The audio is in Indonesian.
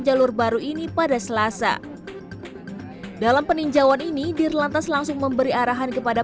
jalur baru ini pada selasa dalam peninjauan ini dirlantas langsung memberi arahan kepada